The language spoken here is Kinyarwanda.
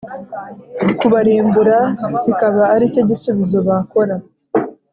kubarimbura kikaba aricyo gisubizo bakora